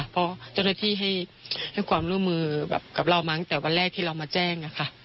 เพราะเจ้าหน้าที่ให้ความร่วมมือแบบกับเรามาตั้งแต่วันแรกที่เรามาแจ้งค่ะ